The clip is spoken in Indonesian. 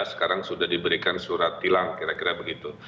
sekarang sudah diberikan surat tilang kira kira begitu